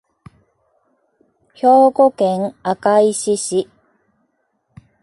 兵庫県明石市